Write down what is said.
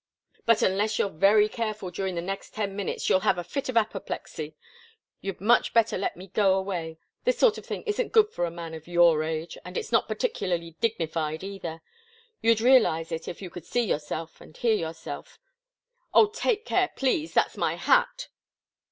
"But unless you're very careful during the next ten minutes you'll have a fit of apoplexy. You'd much better let me go away. This sort of thing isn't good for a man of your age and it's not particularly dignified either. You'd realize it if you could see yourself and hear yourself oh! take care, please! That's my hat."